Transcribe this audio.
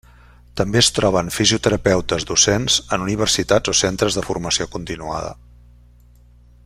També es troben fisioterapeutes docents en universitats o centres de formació continuada.